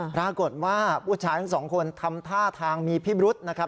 ปรากฏว่าผู้ชายทั้งสองคนทำท่าทางมีพิรุษนะครับ